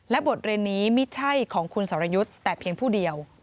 บทเรียนนี้ไม่ใช่ของคุณสรยุทธ์แต่เพียงผู้เดียว